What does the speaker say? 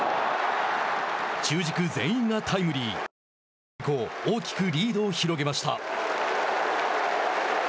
中軸全員がタイムリー中盤以降大きくリードを広げました。